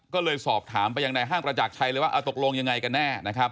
ก็เลยสอบถามไปยังในห้างประจักรชัยเลยว่าตกลงยังไงกันแน่นะครับ